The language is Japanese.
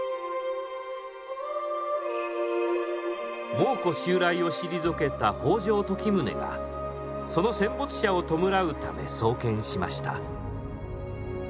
蒙古襲来を退けた北条時宗がその戦没者を弔うため創建しました。